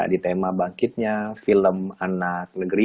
di tema bangkitnya film anak negeri